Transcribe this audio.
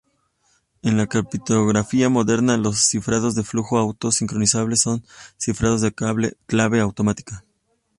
En la criptografía moderna, los cifrados de flujo auto-sincronizables son cifrados de clave automática.